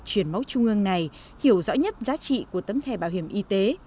truyền máu trung ương này hiểu rõ nhất giá trị của tấm thẻ bảo hiểm y tế